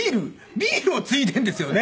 ビールをついでるんですよね。